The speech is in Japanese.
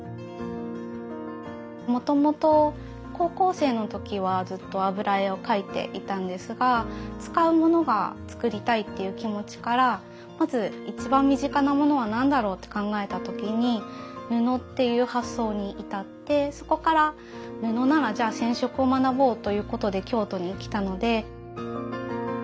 もともと高校生の時はずっと油絵を描いていたんですが使うものが作りたいっていう気持ちからまず一番身近なものは何だろうって考えた時に布っていう発想に至ってそこから布ならじゃあ染色を学ぼうということで京都に来たので。